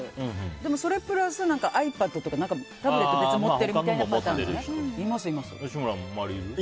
でも、それプラスｉＰａｄとかタブレット別に持ってるパターンね。